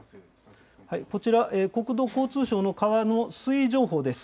こちら、国土交通省の川の水位情報です。